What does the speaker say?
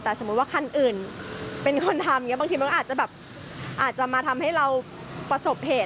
แต่สมมุติว่าขั้นอื่นเป็นคนทำบางทีมันอาจจะมาทำให้เราประสบเหตุ